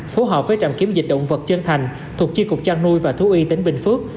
phố họp với trạm kiếm dịch động vật trân thành thuộc chiên cục trang nuôi và thú y tỉnh bình phước